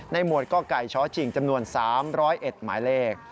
หมวดกไก่ชชิงจำนวน๓๐๑หมายเลข